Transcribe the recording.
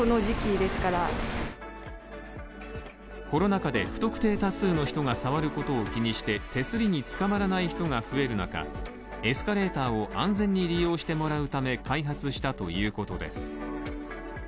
コロナ禍で不特定多数の人が触ることを気にして、手すりにつかまらない人が増える中、エスカレーターを安全に利用してもらうため開発したということです。